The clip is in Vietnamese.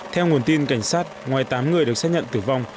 theo nguồn tin cảnh sát ngoài tám người được xác nhận tử vong